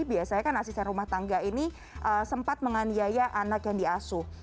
biasanya kan asisten rumah tangga ini sempat menganiaya anak yang diasuh